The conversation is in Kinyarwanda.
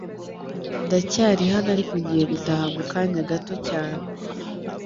Ndacyari hano ariko ngiye gutaha mukanya gato cyane .